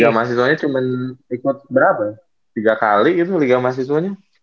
tapi tiga mahasiswanya cuma ikut berapa tiga kali itu tiga mahasiswanya